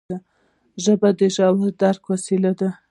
ژبه د ژور درک وسیله ده